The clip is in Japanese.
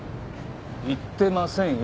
行ってませんよ。